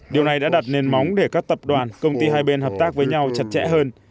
điều này đã đặt nền móng để các tập đoàn công ty hai bên hợp tác với nhau chặt chẽ hơn